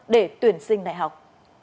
để tuyển sinh đại học